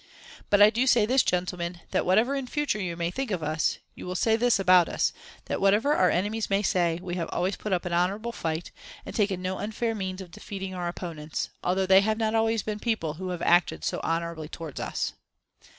But I do say this, gentlemen, that whatever in future you may think of us, you will say this about us, that whatever our enemies may say, we have always put up an honourable fight, and taken no unfair means of defeating our opponents, although they have not always been people who have acted so honourably towards us.